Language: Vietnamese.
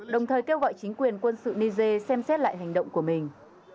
đồng thời kêu gọi chính quyền quân sự niger xem xét lại hành động của mình